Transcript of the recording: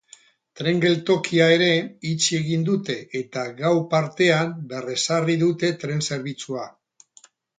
Tren-geltokia ere itxi egin dute eta gau partean berrezarri dute tren zerbitzua.